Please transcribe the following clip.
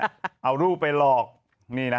จังหรือเปล่าจังหรือเปล่า